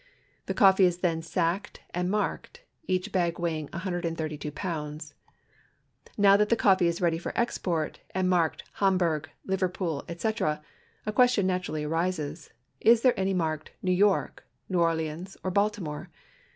The coffee is then sacked and marked; each bag weighs 132 pounds. Now that the coffee is ready for export and marked " Hamburg," " Liverpool," etc., a question naturally arises. Is there any marked " New York," " New Orleans," or " Baltimore